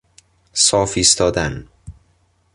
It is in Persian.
صاف ایستادن.